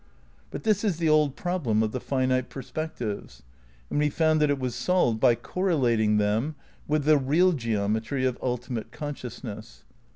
But this is the old problem of the finite perspectives, and we found that it was solved by correlating them with the "real" geometry of ultimate consciousness.